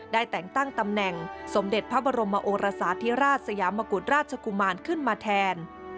แต่งตั้งตำแหน่งสมเด็จพระบรมโอรสาธิราชสยามกุฎราชกุมารขึ้นมาแทน